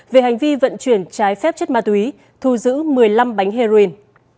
về hành vi vận chuyển trái phép chất ma túy thu giữ một mươi năm bánh heroin